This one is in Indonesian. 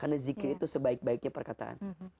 karena zikir itu sebaik baiknya perkataan